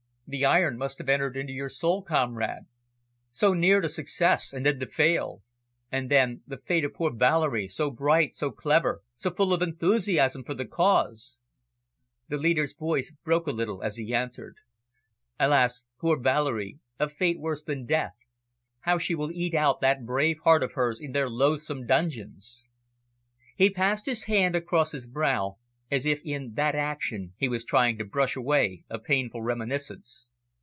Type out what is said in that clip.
"The iron must have entered into your soul, comrade. So near to success, and then to fail. And then, the fate of poor Valerie, so bright, so clever, so full of enthusiasm for the cause!" The leader's voice broke a little as he answered: "Alas, poor Valerie a fate worse than death. How she will eat out that brave heart of hers in their loathsome dungeons!" He passed his hand across his brow, as if in that action he was trying to brush away a painful reminiscence.